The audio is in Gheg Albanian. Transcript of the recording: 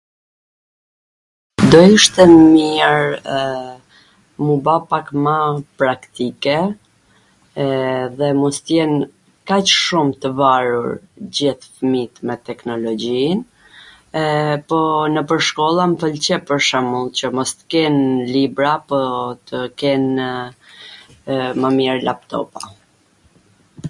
do ishte mir m'u ba pak ma praktike, edhe mos t jen kaq shum tw varur gjith fmit me teknologjin, epo nwpwr shkolla mw pwlqen pwr shwmbull qw mos t ken libra po tw kenw mw mir laptopa.